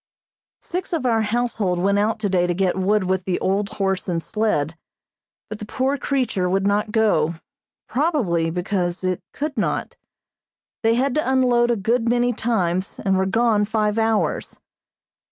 Six of our household went out today to get wood with the old horse and sled, but the poor creature would not go, probably because it could not. They had to unload a good many times and were gone five hours.